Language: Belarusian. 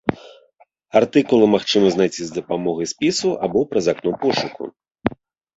Артыкулы магчыма знайсці з дапамогай спісу або праз акно пошуку.